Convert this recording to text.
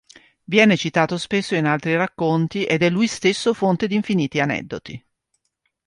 Viene citato spesso in altri racconti ed è lui stesso fonte di infiniti aneddoti.